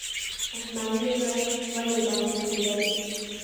اسمايي غر ولې داسې نوم لري؟